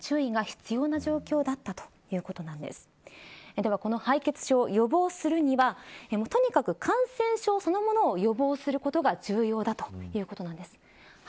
では、この敗血症予防するには、とにかく感染症そのものを予防することが重要だということなんです。